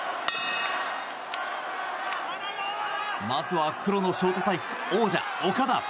まずは黒のショートタイツ王者、オカダ。